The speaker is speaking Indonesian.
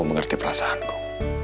kamu mengerti perasaanku